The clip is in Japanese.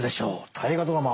「大河ドラマ」